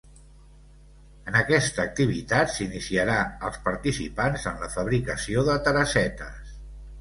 En aquesta activitat s’iniciarà els participants en la fabricació de teresetes.